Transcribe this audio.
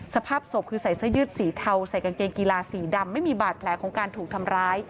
สภาพศพคือใส่เสื้อยืดสีเทาใส่กางเกงกีฬาสีดำไม่มีบาดแผลของการถูกทำร้าย